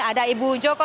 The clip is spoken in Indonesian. ada ibu joko